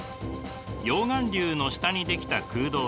溶岩流の下にできた空洞です。